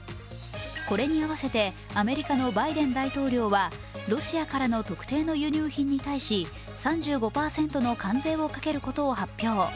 これに合わせてアメリカのバイデン大統領はロシアからの特定の輸入品に対し３５％の関税をかけることを発表。